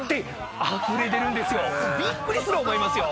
びっくりする思いますよ。